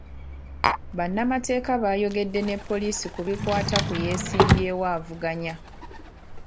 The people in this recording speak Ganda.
Bannamateeka baayogedde ne poliisi ku bikwata ku yeesimbyewo avuganya.